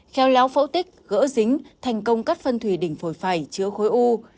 kheo léo phẫu tích gỡ dính thành công cắt phân thủy đỉnh phổi phải chữa khối u